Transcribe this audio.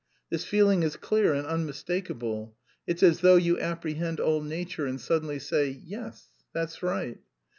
This feeling is clear and unmistakable; it's as though you apprehend all nature and suddenly say, 'Yes, that's right.'